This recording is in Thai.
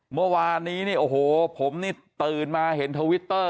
เมื่อวานนี้เนี่ยโอ้โหผมนี่ตื่นมาเห็นทวิตเตอร์